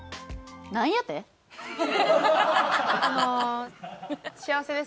あの幸せですか？